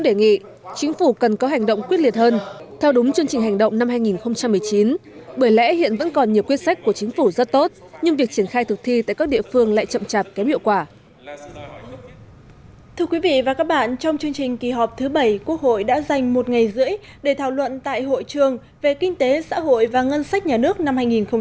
thưa quý vị và các bạn trong chương trình kỳ họp thứ bảy quốc hội đã dành một ngày rưỡi để thảo luận tại hội trường về kinh tế xã hội và ngân sách nhà nước năm hai nghìn một mươi tám